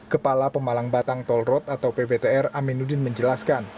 kepala pemalang batang tol road atau pbtr aminuddin menjelaskan